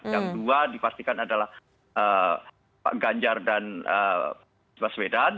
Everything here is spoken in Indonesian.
yang dua dipastikan adalah pak ganjar dan pak sibaswedan